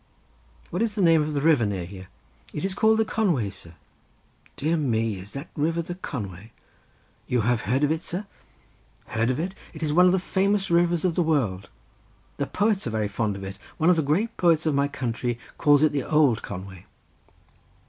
"What is the name of the river near here?" "It is called the Conway, sir." "Dear me; is that river the Conway?" "You have heard of it, sir?" "Heard of it! it is one of the famous rivers of the world. The poets are very fond of it—one of the great poets of my country calls it the old Conway."